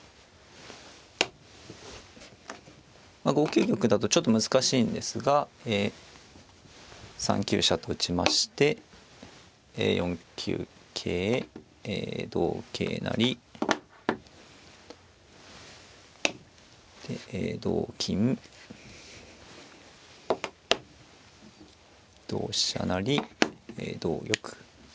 ５九玉だとちょっと難しいんですが３九飛車と打ちまして４九桂同桂成でえ同金同飛車成同玉。